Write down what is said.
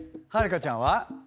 はるかちゃんは？